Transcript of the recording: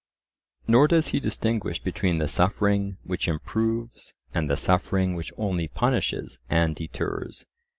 Nor does he distinguish between the suffering which improves and the suffering which only punishes and deters.